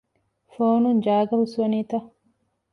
ފޯނުން ޖާގަ ހުސްވަނީތަ؟